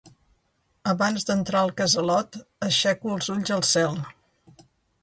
Abans d'entrar al casalot aixeco els ulls al cel.